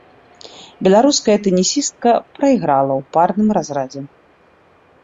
Беларуская тэнісістка прайграла ў парным разрадзе.